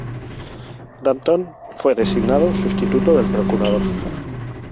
Danton fue designado sustituto del procurador.